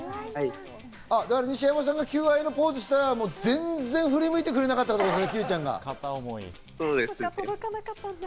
西山さんが求愛のポーズをしたら全然振り向いてくれなかったってことですね。